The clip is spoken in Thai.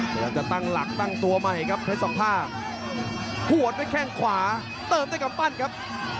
พยายามจะตั้งหลักตั้งตัวใหม่ครับวันเด็กโอ้โหพวดด้วยแข่งขวาเติมได้กับปั้นครับ